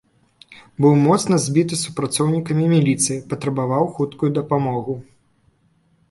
Быў моцна збіты супрацоўнікамі міліцыі, патрабаваў хуткую дапамогу.